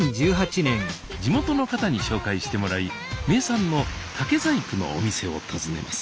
地元の方に紹介してもらい名産の竹細工のお店を訪ねます